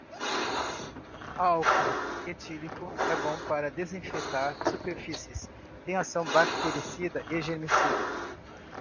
Álcool etílico é bom para desinfetar superfícies? Tem ação bactericida e germicida?